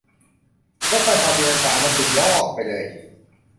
รถไฟเหาะตีลังกาอันนั้นสุดยอกไปเลย !